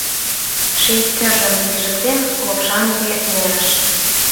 Ший кӧржым пижыктем лопшаҥге нерыш.